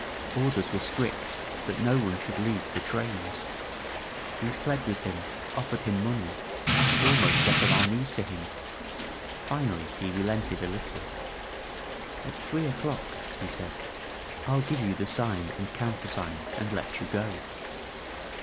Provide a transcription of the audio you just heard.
Or ders were strict that no one should leave the trains. We pled with him, offered him money, almost got on our knees to him. Finally he relented a little. "At three o'clock," he said, "I'll give you the sign and countersign and let you go."